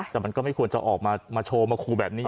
แต่มันก็ไม่ควรจะออกมาโชว์มาคูแบบนี้